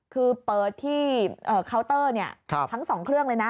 คือเปิดที่เคาน์เตอร์ทั้ง๒เครื่องเลยนะ